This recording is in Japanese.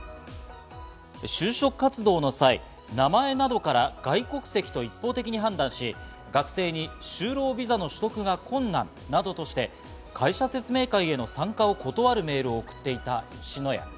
就職活動の際、名前などから外国籍と一方的に判断し、学生に就労ビザの取得が困難などとして、会社説明会への参加を断るメールを送っていた吉野家。